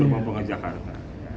sebenarnya yang diisi yang lebih tepat